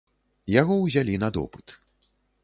Яго ўзялі на допыт.